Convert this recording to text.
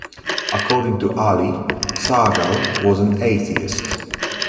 According to Ali, Sahgal was an atheist.